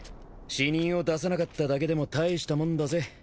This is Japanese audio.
死人を出さなかっただけでも大したもんだぜ。